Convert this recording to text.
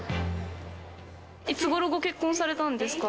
いつごろご結婚されたんですか？